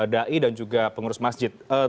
dai dan juga pengurus masjid